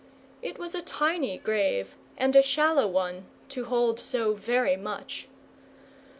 It was a tiny grave and a shallow one, to hold so very much.